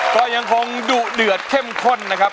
ก็ยังคงดุเดือดเข้มข้นนะครับ